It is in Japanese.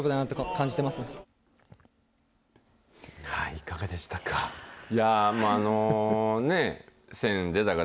いかがでしたか。